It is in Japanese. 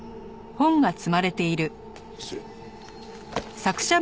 失礼。